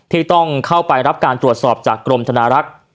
ที่ต้องเข้าไปรับการตรวจสอบจากกรมธนารักษ์